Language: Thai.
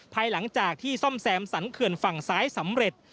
ภายหลังจากที่ซ่อมแซมสรรเขื่อนฝั่งซ้ายสำเร็จ